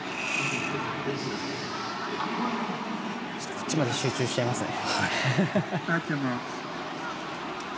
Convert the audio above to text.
こっちまで集中しちゃいますね。